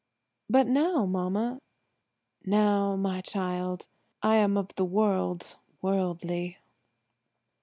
"But now, mamma–?" "Now, my child, I am of the world–worldly."